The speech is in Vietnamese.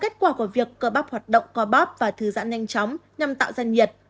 có việc cơ bắp hoạt động co bắp và thư giãn nhanh chóng nhằm tạo ra nhiệt